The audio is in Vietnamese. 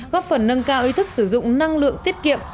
góp phần nâng cao ý thức sử dụng năng lượng tiết kiệm